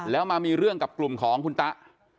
แล้วมามีเรื่องกับกลุ่มของคุณตะ